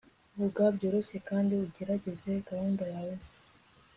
vuga byoroshye, kandi ugerageze gahunda yawe nto